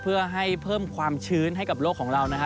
เพื่อให้เพิ่มความชื้นให้กับโลกของเรานะฮะ